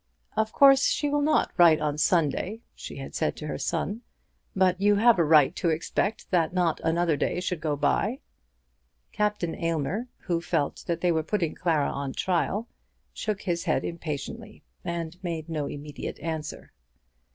"Of course she will not write on Sunday," she had said to her son, "but you have a right to expect that not another day should go by." Captain Aylmer, who felt that they were putting Clara on her trial, shook his head impatiently, and made no immediate answer.